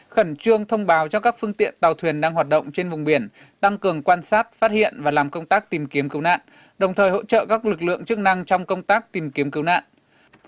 khẩn trương thông báo cho các phương tiện tàu thuyền đang hoạt động trên vùng biển tăng cường quan sát phát hiện và làm công tác tìm kiếm cứu nạn đồng thời hỗ trợ các lực lượng chức năng trong công tác tìm kiếm cứu nạn